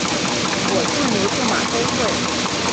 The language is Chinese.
我做牛做马都会